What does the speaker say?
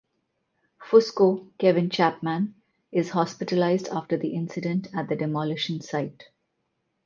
Fusco (Kevin Chapman) is hospitalized after the incident at the demolition site.